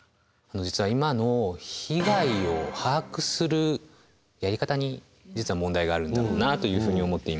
実は今の被害を把握するやり方に実は問題があるんだろうなというふうに思っています。